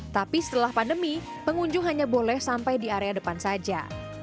tapi setelah pandemi pengunjung hanya boleh sampai di area depan saja